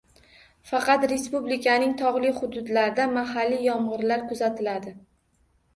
Faqat respublikaning tog‘li hududlarida mahalliy yomg‘irlar kuzatiladi